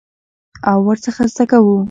او ورڅخه زده کوو.